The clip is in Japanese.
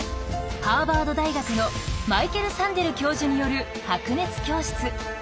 ハーバード大学のマイケル・サンデル教授による「白熱教室」。